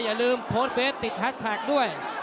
อย่าลืมโพสต์เฟสติดแฮชแท็กด้วย